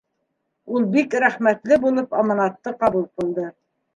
Ул бик рәхмәтле булып аманатты ҡабул ҡылды.